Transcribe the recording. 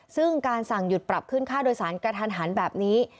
ซึ่งการสั่งหยุดปรับขึ้นค่าโดยสารกระทันหันแบบนี้